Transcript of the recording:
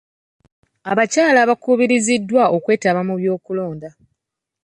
Abakyala bakubirizibwa okwetaba mu by'okulonda.